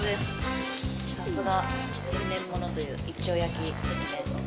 さすが天然物という一丁焼きですね。